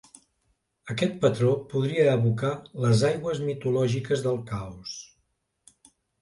Aquest patró podria evocar les aigües mitològiques del caos.